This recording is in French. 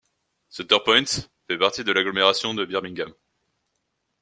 Center Point fait partie de l'agglomération de Birmingham.